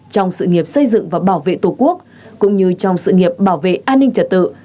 trong sự nghiệp xây dựng và bảo vệ tổ quốc cũng như trong sự nghiệp bảo vệ an ninh trật tự